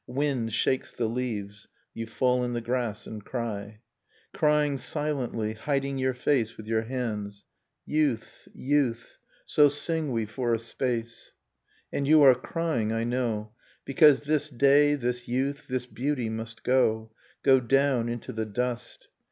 Wind shakes the leaves, you fall in the grass and cry ; Crying silently, hiding your face with your hands. Youth ... youth ... so sing we for a space, White Nocturne And you are crying, I know, Because this day, this youth, this beauty, must go, Go down into the dust.